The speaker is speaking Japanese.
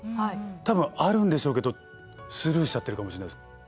多分あるんでしょうけどスルーしちゃってるかもしれないです。